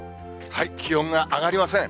気温が上がりません。